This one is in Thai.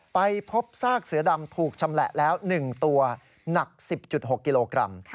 ไปพบซากเสือดำถูกชำแหละแล้ว๑ตัวหนัก๑๐๖กิโลกรัม